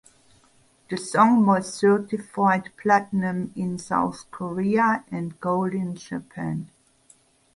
The song was certified platinum in South Korea and gold in Japan.